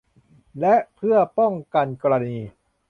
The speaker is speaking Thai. และเพื่อป้องกันกรณี